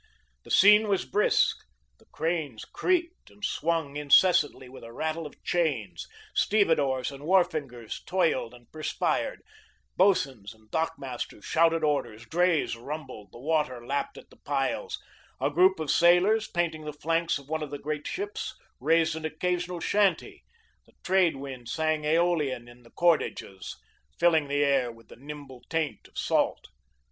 The scene was brisk; the cranes creaked and swung incessantly with a rattle of chains; stevedores and wharfingers toiled and perspired; boatswains and dock masters shouted orders, drays rumbled, the water lapped at the piles; a group of sailors, painting the flanks of one of the great ships, raised an occasional chanty; the trade wind sang aeolian in the cordages, filling the air with the nimble taint of salt.